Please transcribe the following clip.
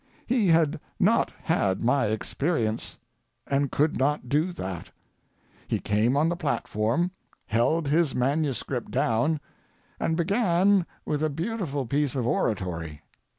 He had not had my experience, and could not do that. He came on the platform, held his manuscript down, and began with a beautiful piece of oratory.